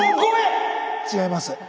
違います。